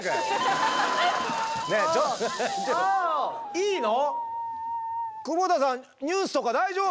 いいの？